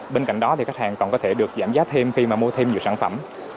bên cạnh đó thì khách hàng còn có thể được giảm giá thêm khi mà mua thêm nhiều sản phẩm